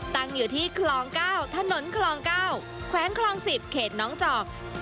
ตั้งอยู่ที่คลอง๙ถนนคลอง๙แขวงคลอง๑๐เขตน้องจอก